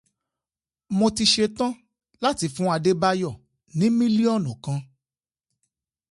Mo ti ṣetán láti fún Adébáyọ̀ ni mílíọ́nù kan